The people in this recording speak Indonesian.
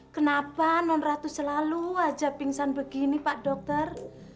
kenapa non ratu selalu aja pingsan begini pak dokter